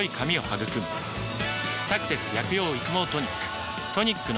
「サクセス薬用育毛トニック」